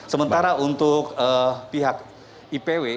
sementara untuk pihak ipw indonesia police watch yang akan juga dibuat